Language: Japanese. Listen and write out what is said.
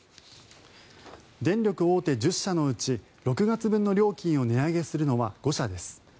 電力大手１０社のうち６月分の料金を値上げするのは５社です。